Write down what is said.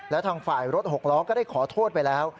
และทางฝ่ายรถหกล้อก็ได้ขอโทษไปแล้ว